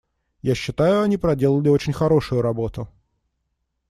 Я считаю, они проделали очень хорошую работу.